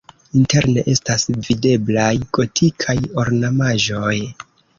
Interne estas videblaj gotikaj ornamaĵoj.